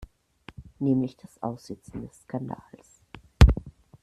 Nämlich das Aussitzen des Skandals.